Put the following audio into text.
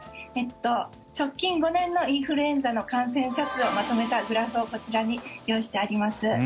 直近５年のインフルエンザの感染者数をまとめたグラフをこちらに用意してあります。